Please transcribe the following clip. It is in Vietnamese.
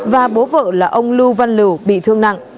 và bố vợ là ông lưu văn lử bị thương nặng